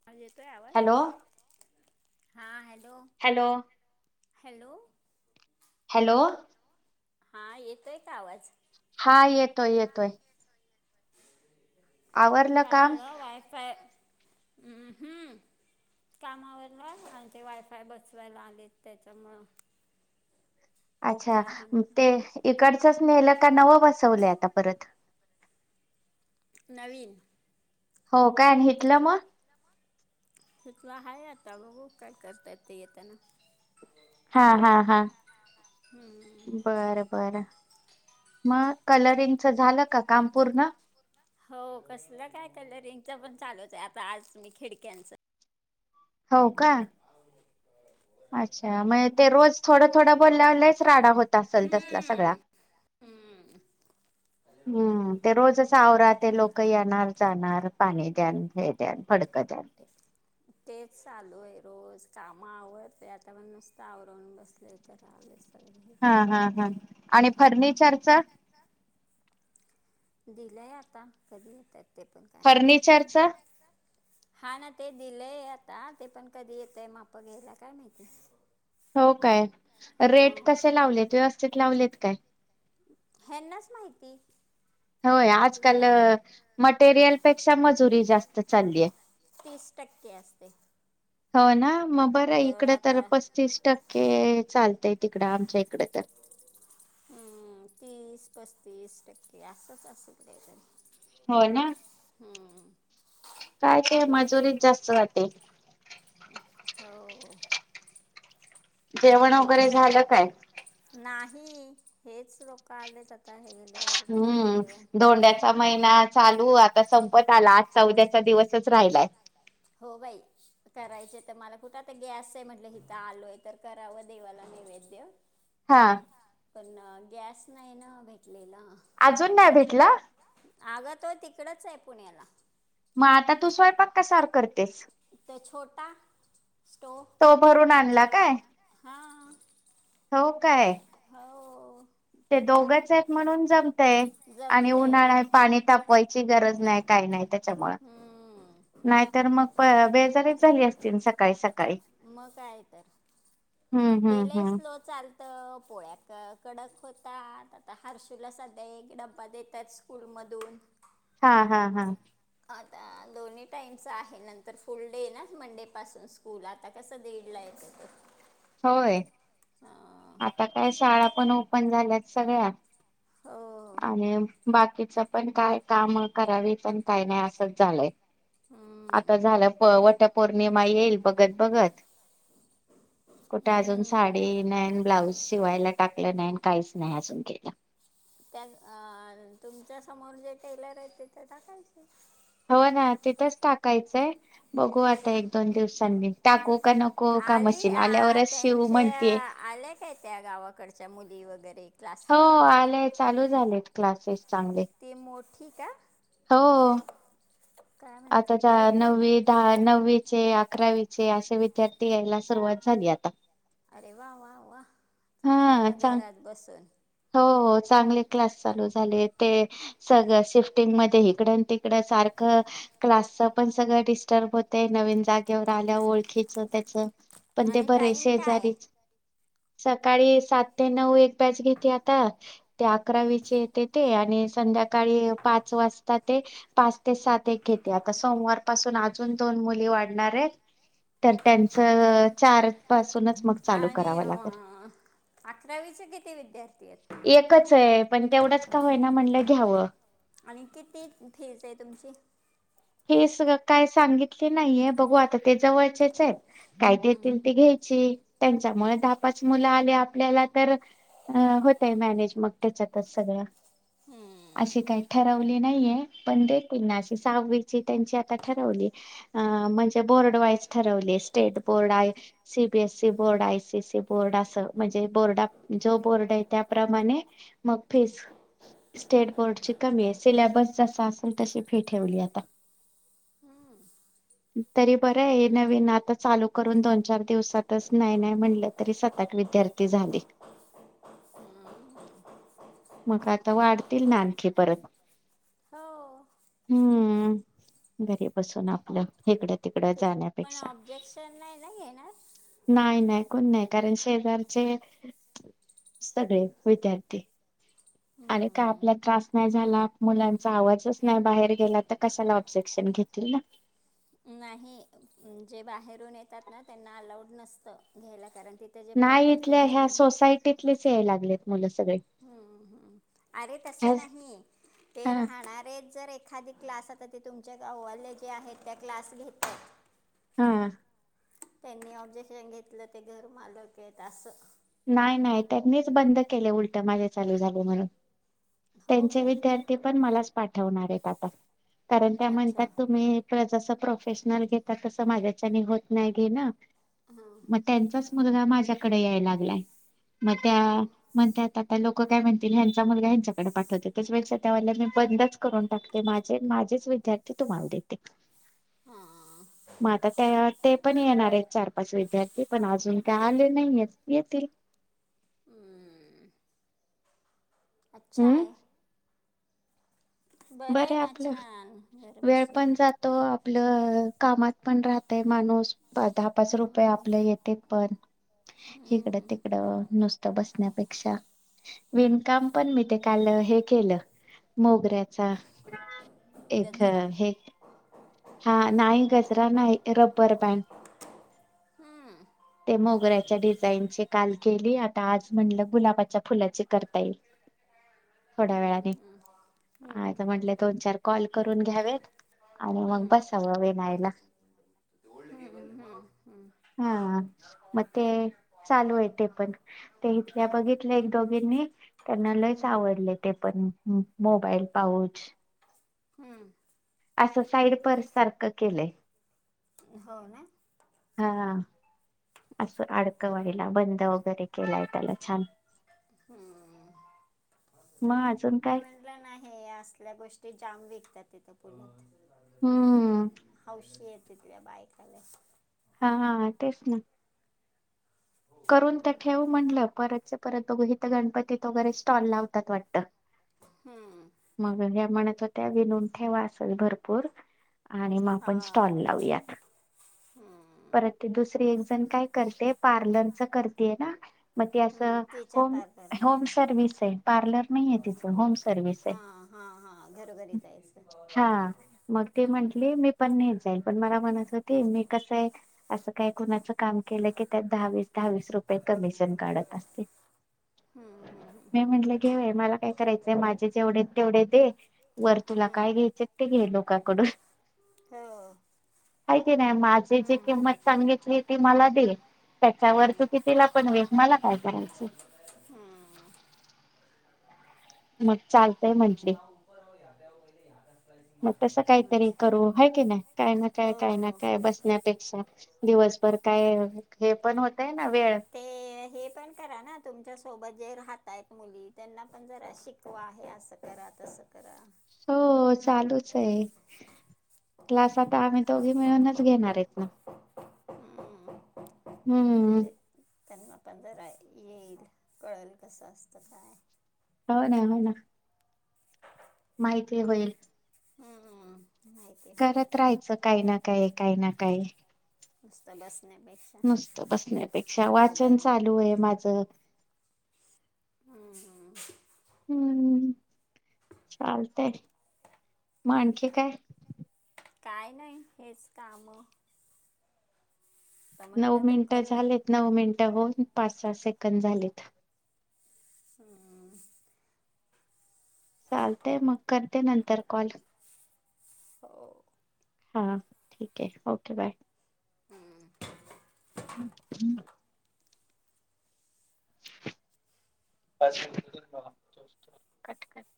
[unintelligible] येतोय आवाज? हॅलो हां हॅल [unintelligible] हॅलो हॅलो हॅलो हां येतोय का आवाज? हां येतोय येतोय. आवरलं काय काम झालं ना वायफाय हं हम्म कामावरनं आणि ते वायफाय बसवायला आलेत त्याच्यामुळं, अच्छा, त्या अजून ते इकडचच नेलं का नवं बसवलंय आता परत. नवीन, हो काय, आणि हिटलं मग? हिटलं हाय, आता बघू काय करतायत ते येताना. हां हां हां हम्म. बर बर मग, कलरिंगच झाल का काम पूर्ण? हो, कसलं काय कलरिंगच पण चालूच आहे, आता आज नी खिडक्यांचं हो का? अच्छा, मग ते रोज थोडं थोडं बोलल्यावर लईच राडा होत तसल तसला हम्म. सगळा हम्म. [unintelligible] हम्म, ते रोजच आवरा, ते लोक येणार जाणार पाणी द्यान, हे द्यान, फडकं द्यान ते तेच चालू आहे, रोज काम आवरते, आता पण नुसतं आवरून बसलेय, तर आलेच. हां, हां, हां. आणि फर्निचरच? दिलंय आता, कधी येतात? ते पण काय फर्निचरचा माहिती. हा ना ते दिलंय आता, ते पण कधी येतात माप घ्यायला काय माहिती. हो काय. रेट हां कसे लावलेत, व्यवस्थित लावलेत? काय? ह्यांनाच माहिती. होय, आजकाल आपल्याला मटेरियल पेक्षा मजुरी जास्त चाललीया. तीस टक्के असते हो, ना. मग बरं जेवढं इकड तर आता पस्तीस टक्के चालतय. तिकडे आमच्या इकडे तर. हम्म तीस-पस्तीस टक्के असंच असेल. हो, ना. हम्म, काय ते मजुरीत जास्त जाते. हो. जेवण वगैरे झालं काय. ही,, हेच लोक आलेत आता हे. गेल्यावर करेल हम्म जेवण धोंड्याचा महिना चालू आता. आता संपत आला आज चौद्याचा दिवसच राहिलाय. हो बाई, करायचे तर मला कुठं तर गॅस आहे, म्हटलं हिथ आलोय तर करावं देवाला नैवेद. हा. पण गॅस नाही ना भेटलेला. अजून नाही भेटला. अगं तो तिकडच आहे पुण्याला. मग आता तू स्वयंपाक का कशावर. करतेस. तो छोटा स्टो तो भरून आणला काय. हां हो काय. हो. ते दोघच आहेत म्हणून जमतय, आणि जमते उन्हाळा पाणी तापवायचं. ची गरज नाही, काही नाही त्याच्या. त्याच्यामुळे. हम्म नाहीतर मग बेजारीच झाली असतील सकाळी-सकाळी. मग काय तर हम्म तेला हम्म स्लो चालत पोळ्या कडक होत. आता हर्षुला संध्याकाळी एक डबा देतात, स्कूल मधून. हा, हा, हा. आता दोन्ही टाईमचं आहे नंतर फुल डे आहे ना, मंडेपासून स्कूल आता कसं दीडला येतो. होय अं, आता काय शाळा पण ओपन झाल्यात सगळ्या हो आणि. बाकीच पण काय काम करावी पण काय नाही असंच झालंय. हम्म. आता झालं प वटपौर्णिमा येईल. बघत-बघत. कुठे अजून हम्म. साडी नाही, ब्लाऊज शिवायला टाकलं नाही, काहीच नाही अजून केलं. त्या अ तुमच्या समोर जे टेलर आहे ते ते टाकायचे. हो ना तिथंच टाकायचंय. बघू आता एक दोन दिवसांनी टाकू का नको का आली मशीन आ, आल्यावरच शिवू त्यांच्या म्हणतेय, आल्या काय त्या गावाकडच्या मुली वगैरे हो क्लासला आलंय चालूच. झालेत क्लासेस. चांगले. मोठी ती का. हो. काय आता म्हणते चा कळतंय का नव्वी, दहा, नव्वीचे, अकरावीचे अशे वि- विद्यार्थी यायला सुरुवात झाली आता. अरे वा, वा, वा चांगलं आहे हा ना चांग घरात बसून. हो चांगले क्लास चालू झाले, ते सगळं शिफ्टिंग मध्ये इकडंन- तिकडं सारख क्लासच पण सगळं डिस्टर्ब होतय नवीन जागेवर आल्याव ओळखीच त्यात. पण ते आणि बर हाय टाईम काय आहे? शेजारीच. सकाळी सात ते नऊ एक बॅच घे तात. ते अकरावीचे येते ते आणि संध्याकाळी पाच वाजता ते, पाच ते सात एक घेते. आता सोमवार पासून अजून दोन मुली वाढणार ए तर त्यांचं चार पासूनच मग चालू आणि करावं लागल. अं, अकरावीचे किती विद्यार्थी आहेत एकच हये, पण तेवढंच का होईना म्हणलं घ्याव. आणि किती फीज आहे तुमची हे सगळ काय सांगितली नाहीये, बघू आता. ते जवळचेच आहेत. काय हम्म, देतील ते घ्यायची? त्यांच्यामुळे दहा पाच मुलं आली आ पल्याला तर अ होतय, मॅनेज मग त्याच्यातच सगळं. हम्म, अशी काय ठरव ली नाहीेये, पण देतील ना. अस सहावी ची तेनची आता ठरवली. आ म्हणजे बोर्ड वाइज ठरवली. स्टेट बोर्ड आहे, C. B. A. C board आहे. आए. सी. सी बोर्ड आस, म्हणजे बोर्डा जो बोर्ड आहे, त्याप्रमाणे मग फिज स्टेट बोर्डची कमी हाय. सिलॅबस जसा असेल, तशी फी ठेवली आता. हम्म. तरी बरं आहे. नवीन आता चालू करून दोन चार दिवसातच नाही नाही म्हणलं तरी, सात आठ विद्यार्थी झाले. हम्म. मग, आता वाढतील ना आणखी परत. हाव. हम्म घरी बसून आपलं, हिकडं तिकडं ते पण जाण्यापेक्षा. ऑब्जेक्शन नाही ना घेणार नाही नाही कोण नाही. कारण शेजारचे सगळे विद्यार्थीय.... अरे काय हम्म, आपला त्रास नाही झाला, मुलांचा आवाजच नाही बाहेर गेला, तर कशाला ऑब्जेक्शन घेतील ना. नाही, जे बाहेरून येतात ना त्यांना अलाउड नसतं. घ्यायला कारण... ते तेजे नाही प्रॉपरचे इथल्या ह्या घेणार. सोसायटीतलेच याय लागलेत मुलं सगळे हम हम अरे तस ह्या नाही ते हा राहणारे जर ए- खादी क्लास ते तुमच्या गावाले जे आहेत, त्या क्लास घेतात. हा. त्यांनी ऑब्जेक्शन घेतलं ते घर मालक आहेत असं. नाही नाही त्यांनीच बंद केले उलट माझ्या चालू झाल म्हणून. हो त्यांचे काय? विद्यार्थी पण मलाच- पाठवणार आहेत आता. कारण त्या म्हणतात अच्छा. तुम्ही प्रज प्रोफेशनल घेेतात तस माझ्याच्या होत नाही घे ना हां. मग त्यांचाच मुल हा माझ कडे यायला लाय मग त्या हो. म्हणत आता लोक ल काय म्हणतीलचा मुलगा हच्याकडे पाठवते त्याच वेळेक्ष त्याला मी बंदच करून टाकते माझे माझेच विद्यार्थी तुम्हाला देते. हां. मग आता त्या ते पण येणार आहेत. चार पाच विद्यार्थी पण अजून काय आले नाहीय. येतील. हम्म... अच्छा हम्म आहे. बरं आहे बरे ना आपलं छान घर वेळ बसून. पण जातो आपलं कामात पण राहतय माणूस दहा पाच रुपये हम्म, आपले येते पण इिकडं हम्म. तिकडं नुसत बसण्यापेक्षा विणकाम पण मी ते काल हे केलं मोगऱ्यात. एक गजरा. हे हा नाही गचरा नाही रब्बर पॅन्ट हम्म ते मोगऱ्याच्या डिझाईन काल केली आता आज म्हणलं गुलाबाच्या फुलाचे करता येईल थोड्या वेळाने आता म्हंटले दोन चार कॉल करून घ्यावेत आणि मग बसावं वेनायला हा मग ते चालू आहे ते पण ते इथल्या बघितल्या एक दोघीनी त्यांना लयच आवडले ते पण मोबाईल पाहूच हम्म. असं साईड पर्स सारखं केलंय. हो ना? हा असं आडकवायला बंद वगैरे केलाय त्याला छान. मग अजून मी काय म्हटलं नाही असल्या गोष्टी जाम विक त्या तितं पोलत हम्म हौशेत तितल्या बायकाले हा-हा-हा तेच ना. करून तर ठेवू म्हटलं परत चं परत बघू म्हणलं गणपतीत वगैरे स्टॉल लावतात वाटतं. हम्म! मग ह्या म्हनत होत्या विणून ठेवा असल भरपूर आणि मग आपण हां स्टॉल मग लावूयात. हम्म, परत ते दुसरी एक जण काय करते पार्लरचं करतीये ना. मग ते हम्म, असं तिच्या होम, पार पारमध्ये होम सर्विसये पार्लर नाईये तिचं, होम सर्व्हिस ये. हां हां हां घरोघरी जायचं हा मग ते हम्म. म्हटली मी पण न्हेचंय पण मला म्हणत होती मी कसंय असं काही कुणाचं काम केलं की त्यात दहावीस दहा-वीस रुपये कमिशन काढत असते. हम्म, हम्म, हम्म, मी हम्म. म्हटलं घे बाई मला काय करायचंय? माझे जेवढे तेवढे दे वर तुला काय हम्म, घ्यायचे ते घे. लोक कड हो काय ते नाही माझे जे हम्म, किंमत सांगितली ती मला दे. हम्म. त्याच्या वर हम्म. तु कितीला पण विक मला काय करायचं? मग चालतयं म्हटले. मग तस काहीतरी अच्छा. करू आहे की नाही, काय ना काय काय ना हो काय बसण्यापेक्षा. दिवसभर काय हे पण होत ते हे पण करा ना तुमच्या सोबत जे राहतायत मुली त्यांना पण जरा शिकवा हे असं करा तसं करा. हो चालूच आहे क्लास आता आम्ही दोघी मिळूनच घेणारयेत ना. हम्म. ह ह हम. म्हणजे त्यांना पण जरा येईल, कळेल कसं असतं काय? हो ना हो ना. माहिती होईल. हम्म, माहिती होईल करत राहायचं काही ना काय काही ना काय काय? नुसतं बस नुसतं बसण्यापेक्षा वाचन मोबाईल चालू आहे माझं. ह ह. हम्म! चालतयं म आणखी काय? काय नाही हेच काम. तर नऊ म्हटलं तो मिनटं कर झालेत नऊ मिनिटं होऊन पाच, सात सेकंद झालेत. ह अ अ. चालते मग करते नंतर कॉल. हो हा ठीक! आहे ओके बाय. हम्म. हम हम [unintelligible] पाच मिनिटं [unintelligible] कट कर.